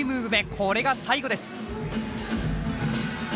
これが最後です。